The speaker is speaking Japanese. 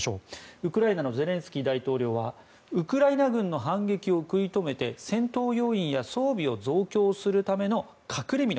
ウクライナのゼレンスキー大統領はウクライナ軍の反撃を食い止めて戦闘要員や装備を増強するための隠れみの。